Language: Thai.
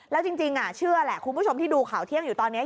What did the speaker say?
แล้วจริงเชื่อแหละคุณผู้ชมที่ดูข่าวเที่ยงอยู่ตอนนี้